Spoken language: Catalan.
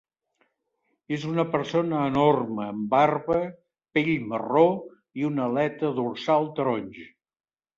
És una persona enorme amb barba, pell marró i una aleta dorsal taronja.